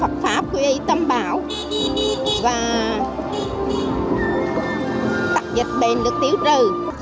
và tạc dịch bệnh được tiêu trừ